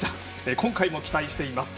今回も期待しています。